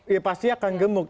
iya pasti akan gemuk